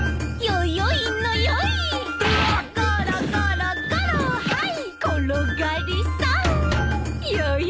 「よよいのよい」